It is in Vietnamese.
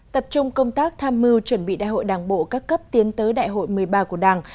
tập trung công tác tham mưu chuẩn bị đại hội đảng bộ các cấp tiến tới đại hội một mươi ba của đảng